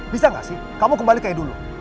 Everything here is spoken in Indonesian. bisa nggak sih kamu kembali kayak dulu